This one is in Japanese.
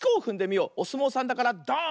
おすもうさんだからドーン！